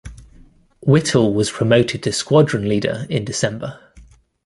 Whittle was promoted to Squadron Leader in December.